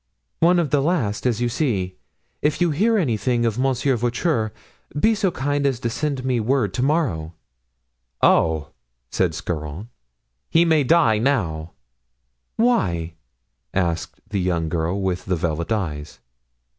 "One of the last, as you see; if you hear anything of Monsieur Voiture, be so kind as to send me word to morrow." "Oh!" said Scarron, "he may die now." "Why?" asked the young girl with the velvet eyes.